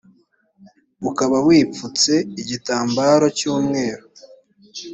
ukaba wipfutse igitambaro cyumweru